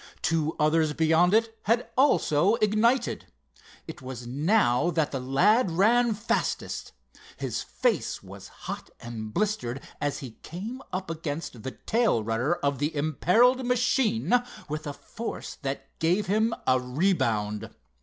Two others beyond it had also ignited. It was now that the lad ran fastest. His face was hot and blistered as he came up against the tail rudder of the imperiled machine with a force that gave him a rebound.